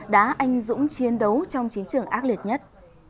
đã anh dũng chiến đấu trong chiến trường ác liệt nhất